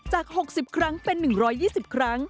๖๐ครั้งเป็น๑๒๐ครั้ง